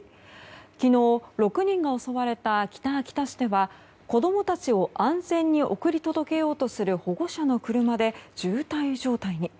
昨日６人が襲われた北秋田市では子供たちを安全に送り届けようとする保護者の車で渋滞状態に。